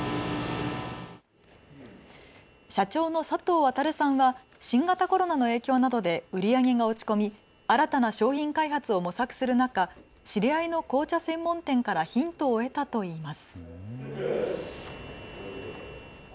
社長の佐藤亘さんは新型コロナの影響などで売り上げが落ち込み新たな商品開発を模索する中、知り合いの紅茶専門店からヒントを得たといいます。